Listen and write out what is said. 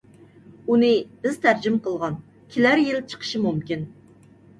ئۇنى بىز تەرجىمە قىلغان. كېلەر يىل چىقىشى مۇمكىن.